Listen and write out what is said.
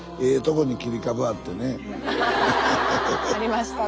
ありましたね。